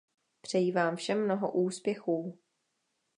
Přeji vám všem mnoho úspěchů.